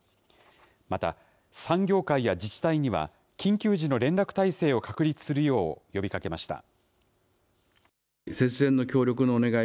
また、産業界や自治体には、緊急時の連絡体制を確立するよう呼びかけました。